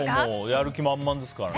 やる気満々ですから。